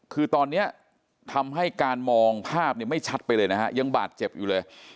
คือตอนนี้ทำให้การมองภาพเนี่ยไม่ชัดไปเลยนะฮะยังบาดเจ็บอยู่เลย